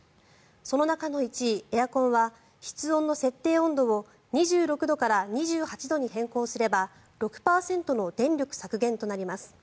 その中の１位、エアコンは室温の設定温度を２６度から２８度に変更すれば６％の電力削減となります。